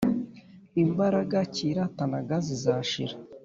imbaraga cyiratanaga zizashira